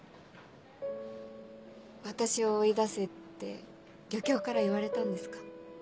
私を追い出せって漁協から言われたんですか？